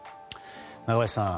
中林さん